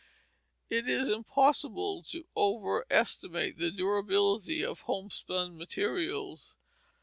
It is impossible to overestimate the durability of homespun materials.